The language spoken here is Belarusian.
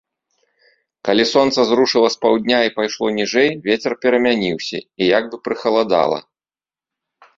Калі сонца зрушыла з паўдня і пайшло ніжэй, вецер перамяніўся, і як бы прыхаладала.